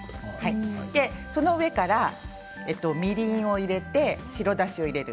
その上からみりんを入れて白だしを入れる。